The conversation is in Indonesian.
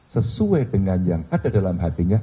sesuai dengan yang ada dalam hatinya